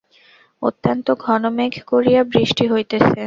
অত্যন্ত ঘন মেঘ করিয়া বৃষ্টি হইতেছে।